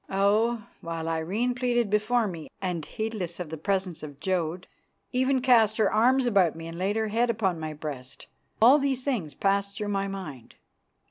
Oh! while Irene pleaded before me and, heedless of the presence of Jodd, even cast her arms about me and laid her head upon my breast, all these things passed through my mind.